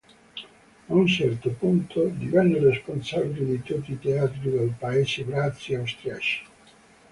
A un certo punto divenne responsabile di tutti i teatri dei Paesi Bassi austriaci.